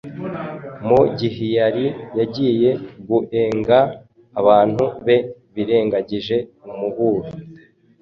Mu gihyari yagiye guenga, abantu be birengagije umuburo